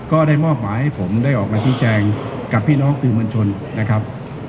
ก็ได้มอบหมายให้ผมได้ออกมาชี้แจงกับพี่น้องสื่อมวลชนนะครับ